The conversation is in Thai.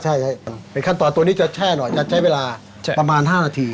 ใช่เป็นขั้นตอนตัวนี้จะแช่หน่อยจะใช้เวลาประมาณ๕นาที